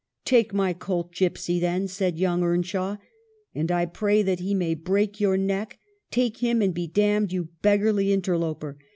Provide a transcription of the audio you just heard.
' Take my colt, gypsy, then,' said young Earnshaw. 'And I pray that he may break your neck ; take him and be damned, you beggarly interloper